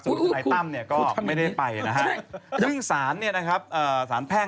ขณะตอนอยู่ในสารนั้นไม่ได้พูดคุยกับครูปรีชาเลย